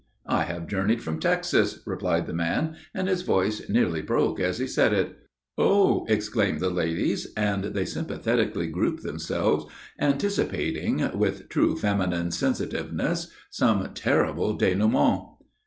"I have journeyed from Texas," replied the man, and his voice nearly broke as he said it. "Oh!" exclaimed the ladies, and they sympathetically grouped themselves, anticipating, with true feminine sensitiveness, some terrible dénouement.